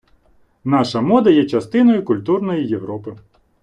Наша мода є частиною культурної Європи.